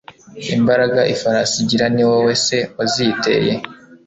imbaraga ifarasi igira, ni wowe se waziyiteye